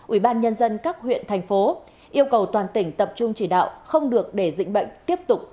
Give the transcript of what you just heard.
ủy ban nhân dân các huyện thành phố yêu cầu toàn tỉnh tập trung chỉ đạo không được để dịch bệnh tiếp tục